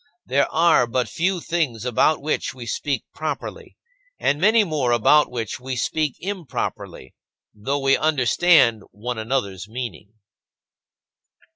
There are but few things about which we speak properly and many more about which we speak improperly though we understand one another's meaning.